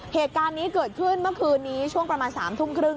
เหตุการณ์นี้เกิดขึ้นเมื่อคืนนี้ช่วงประมาณ๓ทุ่มครึ่ง